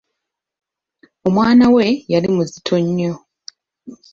Omwana we yali muzito nnyo.